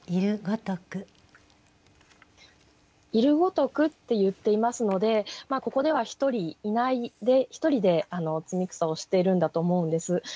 「ゐるごとく」って言っていますのでここでは１人いないで１人で摘草をしてるんだと思うんです。